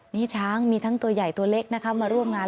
นี่ช้างมีทั้งตัวใหญ่ตัวเล็กนะคะมาร่วมงาน